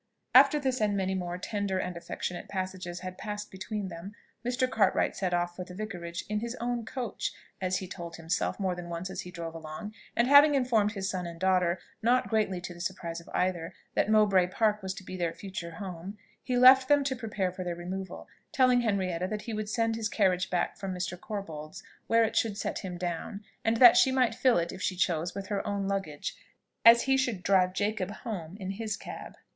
After this and many more tender and affectionate passages had passed between them, Mr. Cartwright set off for the Vicarage in his own coach, as he told himself more than once as he drove along; and having informed his son and daughter, not greatly to the surprise of either, that Mowbray Park was to be their future home, he left them to prepare for their removal, telling Henrietta that he would send his carriage back from Mr. Corbold's, where it should set him down, and that she might fill it, if she chose, with her own luggage, as he should drive Jacob home in his cab.